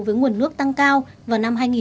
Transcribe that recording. với nguồn nước tăng cao vào năm hai nghìn hai mươi